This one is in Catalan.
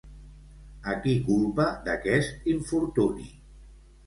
A qui culpa d'aquest infortuni?